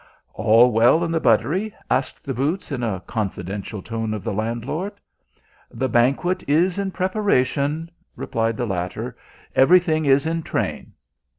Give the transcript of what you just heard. "All well in the buttery?" asked the boots, in a confidential tone of the landlord. "The banquet is in preparation," replied the latter. "Everything is in train."